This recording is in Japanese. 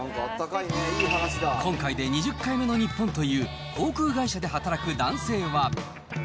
今回で２０回目の日本という、航空会社で働く男性は。